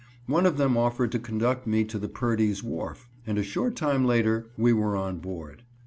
One of them offered to conduct me to the Perdy's wharf, and a short time later we were on board.